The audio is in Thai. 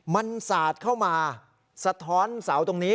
มันสาดเข้ามาสะท้อนเสาตรงนี้